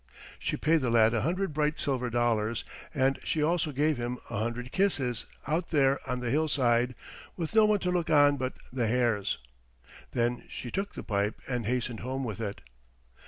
She paid the lad a hundred bright silver dollars, and she also gave him a hundred kisses out there on the hillside, with no one to look on but the hares. Then she took the pipe and hastened home with it.